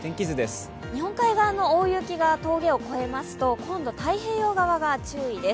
日本海側の大雪が峠を越えますと、今度は太平洋側が注意です。